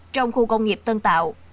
trong khu công nghiệp tân tạo